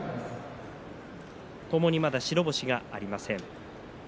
ともにまだ白星がありません。